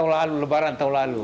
ini tahun lebaran tahun lalu